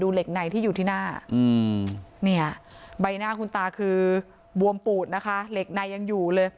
เหล็กในที่อยู่ที่หน้าเนี่ยใบหน้าคุณตาคือบวมปูดนะคะเหล็กในยังอยู่เลย